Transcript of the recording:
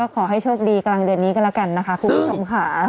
ขอให้โชคดีกลางเดือนนี้ก็แล้วกันนะคะคุณผู้ชมค่ะ